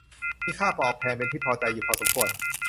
มีค่าตอบแทนเป็นที่พอใจอยู่พอสมควร